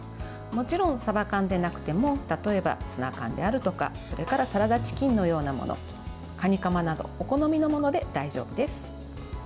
もちろん、さば缶でなくても例えばツナ缶であるとかサラダチキンのようなものかにかまなどお好みのもので大丈夫です。